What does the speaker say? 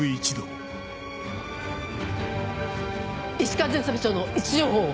石川巡査部長の位置情報を！